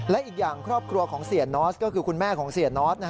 และอีกอย่างครอบครัวของเสียนอสก็คือคุณแม่ของเสียนอท